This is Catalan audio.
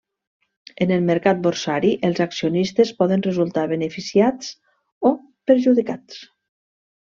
En el mercat borsari, els accionistes poden resultar beneficiats o perjudicats.